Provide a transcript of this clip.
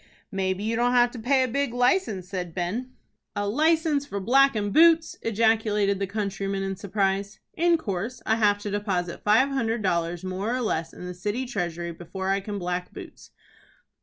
"Maybe you don't have to pay a big license," said Ben. "A license for blackin' boots?" ejaculated the countryman, in surprise. "In course. I have to deposit five hundred dollars, more or less, in the city treasury, before I can black boots."